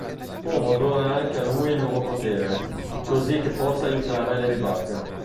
L'uomo dona anche a lui il nuovo potere, così che possa aiutare Ladybug.